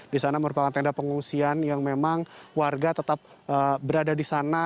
di sana merupakan tenda pengungsian yang memang warga tetap berada di sana